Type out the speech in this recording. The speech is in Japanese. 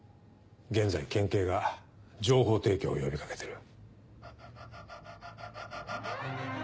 現在県警が情報提供を呼び掛けてる。